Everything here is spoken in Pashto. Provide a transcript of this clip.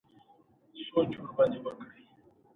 زه د بام ترڅوکو پورې ورغلم